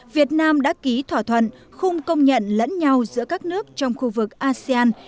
việt nam đã ký thỏa thuận khung công nhận lẫn nhau giữa các nước trong khu vực asean